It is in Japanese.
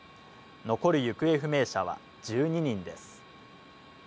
残る行方不明者は１２人です。